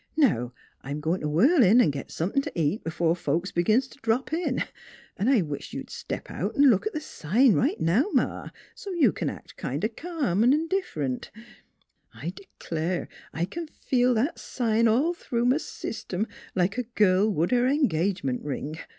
" Now I'm goin' t' whirl in 'n' git somepin' t' eat b'fore folks b'gins t' drop in; 'n' I wisht you'd step out 'n' look at th' sign right now, Ma, so you c'n act kind o' ca'm 'n' indiffer'nt. I d'clare I c'n feel that sign all through m' system, like a girl would her en gagement ring.